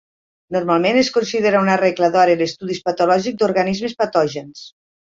Normalment es considera una regla d'or en estudis patològics d'organismes patògens.